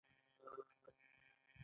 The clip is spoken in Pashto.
موږ کولای شو د حقوقو په اړه مذاکره وکړو.